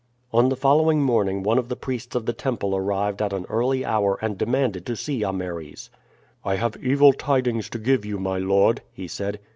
On the following morning one of the priests of the temple arrived at an early hour and demanded to see Ameres. "I have evil tidings to give you, my lord," he said.